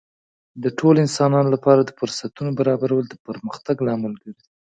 د ټولو انسانانو لپاره د فرصتونو برابرول د پرمختګ لامل ګرځي.